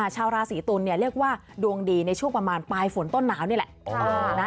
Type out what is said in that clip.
ชาวราศีตุลเรียกว่าดวงดีในช่วงประมาณปลายฝนต้นหนาวนี่แหละ